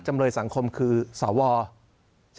จำเลยสังคมคือสอวใช่ไหมครับ